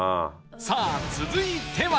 さあ続いては